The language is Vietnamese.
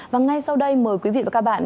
và ngay sau đây mời quý vị và các bạn